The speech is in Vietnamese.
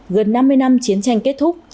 gần năm mươi năm chiến tranh kết thúc